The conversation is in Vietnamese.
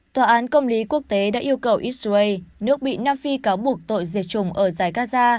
tòa án công lý quốc tế đã yêu cầu israel nước bị nam phi cáo buộc tội diệt chủng ở dài gaza